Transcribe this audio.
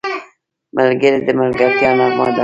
ملګری د ملګرتیا نغمه ده